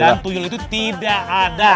dan tuyul itu tidak ada